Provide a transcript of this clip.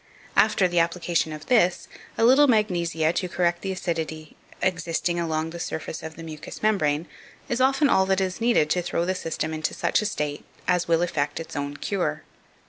After the application of this, a little magnesia to correct the acidity existing along the surface of the mucous membrane, is often all that is needed to throw the system into such a state as will effect its own cure.